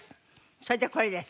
それじゃこれです。